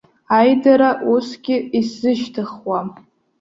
Аидара усгьы исзышьҭыхуам.